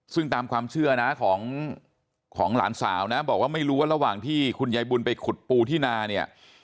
ซึ่งตามความเชื่อนะของหลานสาวนะบอกว่าไม่รู้ว่าระหว่างที่คุณยายบุญไปขุดปูที่นาเนี่ย